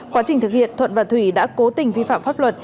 quá trình thực hiện thuận và thủy đã cố tình vi phạm pháp luật